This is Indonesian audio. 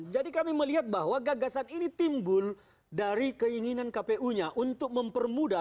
jadi kami melihat bahwa gagasan ini timbul dari keinginan kpu nya untuk mempermudah